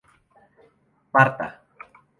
parta